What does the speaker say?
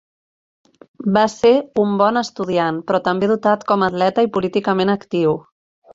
Va ser un bon estudiant però també dotat com a atleta i políticament actiu.